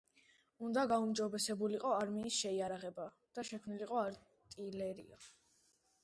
უნდა გაუმჯობესებულიყო არმიის შეიარაღება, შექმნილიყო არტილერია.